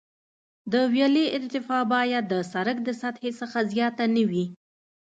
د ویالې ارتفاع باید د سرک د سطحې څخه زیاته نه وي